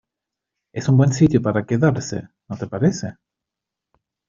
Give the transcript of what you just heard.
es un buen sitio para quedarse, ¿ no te parece?